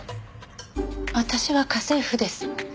私は家政婦です。